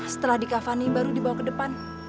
setelah di kafani baru dibawa ke depan